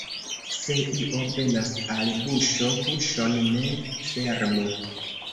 Se io venas al buŝo, buŝon ne fermu.